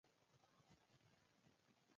ځمکې ښویدنه په پنجشیر کې کله وشوه؟